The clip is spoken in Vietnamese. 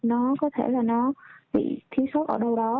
nó có thể là nó bị thiếu sót ở đâu đó